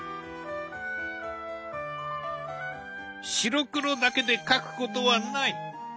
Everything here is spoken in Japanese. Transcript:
枝は白黒だけで描くことはない！